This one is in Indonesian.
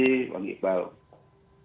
terima kasih pak gita